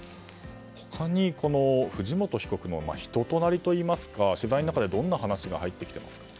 他に藤本被告の人となりといいますか取材の中でどんな話が入ってきましたか。